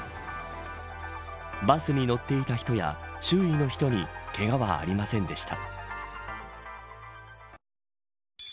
バスに乗っていた人や周囲の人にけがはありませんでした。